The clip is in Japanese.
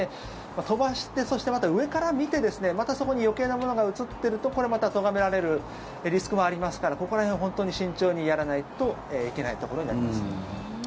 飛ばしてそして、また上から見てまたそこに余計なものが映っているとこれまた、とがめられるリスクもありますからここら辺は本当に慎重にやらないといけないところになります。